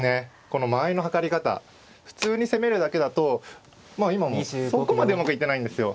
この間合いの計り方普通に攻めるだけだとまあ今もそこまでうまくいってないんですよ。